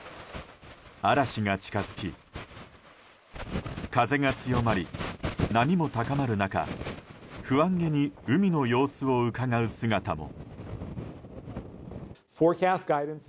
嵐が近づき、風が強まり波も高まる中不安げに海の様子をうかがう姿も。